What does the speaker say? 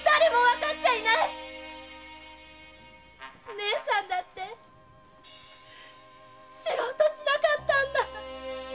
姉さんだって知ろうとしなかったんだ！